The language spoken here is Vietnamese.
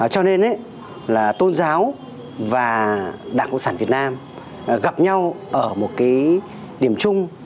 cho nên tôn giáo và đảng cộng sản việt nam gặp nhau ở một điểm chung